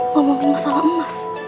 ngomongin masalah emas